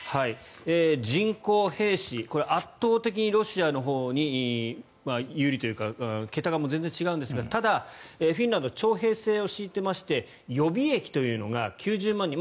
人口、兵士これは圧倒的にロシアのほうに有利というか桁が全然違うんですがただ、フィンランドは徴兵制を敷いていまして予備役というのが９０万人。